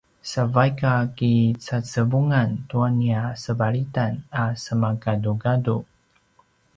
sa vaik a kicacevungan tua nia sevalitan a semagadugadu